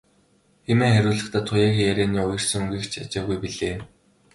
хэмээн хариулахдаа Туяагийн ярианы уярсан өнгийг ч ажаагүй билээ.